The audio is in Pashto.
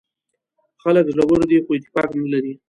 خلک زړور دي خو اتفاق نه لري.